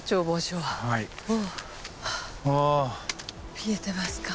見えてますか？